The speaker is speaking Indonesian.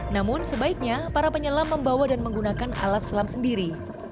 namun sebaiknya para penyelam membawa dan menggunakan alat selam sendiri